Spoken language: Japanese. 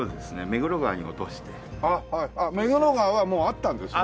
目黒川はもうあったんですね。